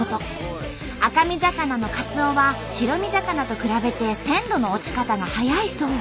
赤身魚のカツオは白身魚と比べて鮮度の落ち方が早いそう。